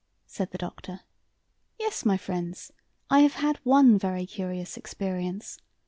said the Doctor. Yes, my friends, I have had one very curious experience.